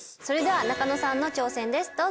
それでは中野さんの挑戦です。